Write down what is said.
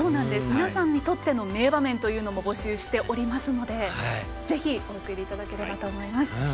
皆さんにとっての名場面も募集しておりますのでお送りいただければと思います。